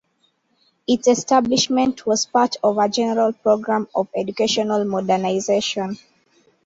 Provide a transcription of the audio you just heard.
Its establishment was part of a general program of educational modernization.